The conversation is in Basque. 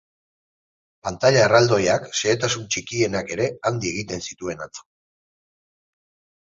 Pantaila erraldoiak xehetasun txikienak ere handi egiten zituen atzo.